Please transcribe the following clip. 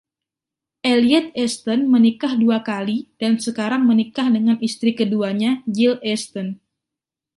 Elliot Easton menikah dua kali dan sekarang menikah dengan istri keduanya Jill Easton.